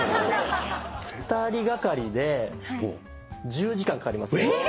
２人がかりで１０時間かかります。